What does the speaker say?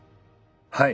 はい。